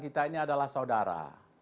kita ini adalah saudara